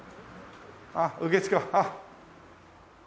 あっ受付あっ。